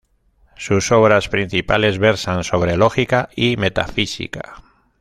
Sus obras principales versan sobre lógica y metafísica.